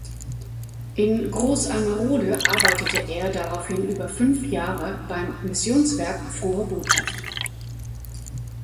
In Großalmerode arbeitete er daraufhin über fünf Jahre beim Missionswerk Frohe Botschaft.